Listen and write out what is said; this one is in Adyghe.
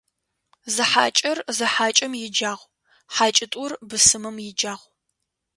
Зы хьакӀэр зы хьакӀэм иджагъу, хьакӀитӀур бысымым иджагъу.